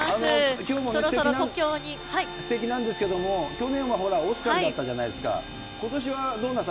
きょうもすてきなんですけれども、去年はオスカルだったじゃないですか。